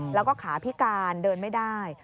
แล้วก็ขาพิการเดินไม่ได้